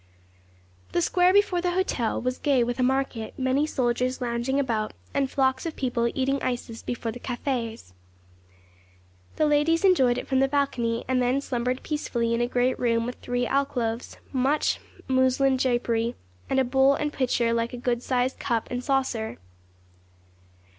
The square before the hotel was gay with a market, many soldiers lounging about, and flocks of people eating ices before the cafés. The ladies enjoyed it from the balcony, and then slumbered peacefully in a great room with three alcoves, much muslin drapery, and a bowl and pitcher like a good sized cup and saucer.